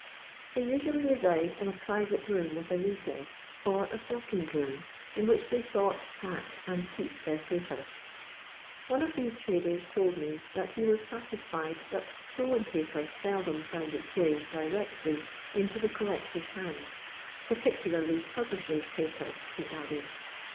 They usually reside in a private room with a recess, or a second room, in which they sort, pack, and keep their paper. One of these traders told me that be waa satisfied that stolen paper seldom found its way, directly, into the collectors' hands, " particulariy publisher's paper," he added.